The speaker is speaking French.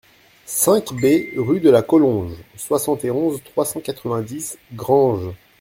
cinq B rue de la Collonge, soixante et onze, trois cent quatre-vingt-dix, Granges